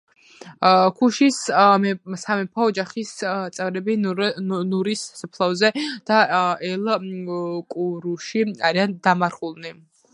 ქუშის სამეფო ოჯახის წევრები ნურის სასაფლაოზე და ელ–კურუში არიან დამარხულნი.